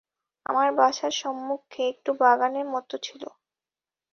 আমার বাসার সম্মুখে একটু বাগানের মতো ছিল।